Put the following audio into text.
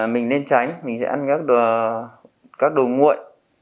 mình nên tránh mình sẽ ăn các đồ nguội